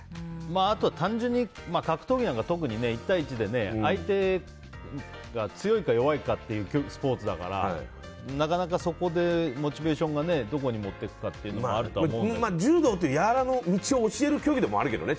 あとは単純に格闘技なんか特に、１対１で相手が強いか弱いかっていうスポーツだからなかなか、そこでモチベーションがどこに持っていくかっていうのは柔道という柔らの道を教える競技でもあるけどね。